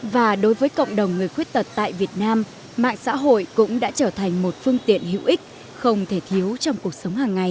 và đối với cộng đồng người khuyết tật tại việt nam mạng xã hội cũng đã trở thành một phương tiện hữu ích không thể thiếu trong cuộc sống hàng ngày